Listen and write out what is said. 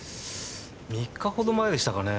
３日ほど前でしたかね